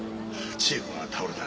千恵子が倒れた。